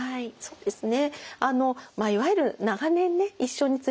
そうですね。